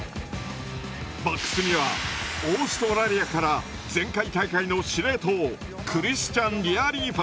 バックスにはオーストラリアから前回大会の司令塔クリスチャン・リアリーファノ。